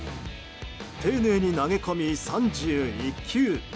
丁寧に投げ込み、３１球。